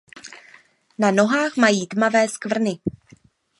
Na nohách mají tmavé skvrny.